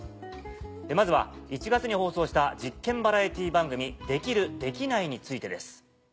まずは１月に放送した実験バラエティー番組『できる？できない？』についてです。